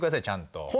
ちゃんと。